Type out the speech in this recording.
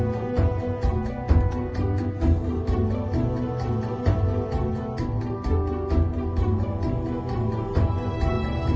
วะนะให้ลูกเข้ามาเหยียบบ้าน๕ปี